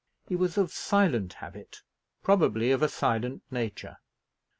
He was of silent habit; probably, of a silent nature.